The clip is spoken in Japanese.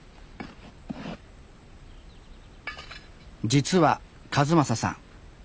実は一正さん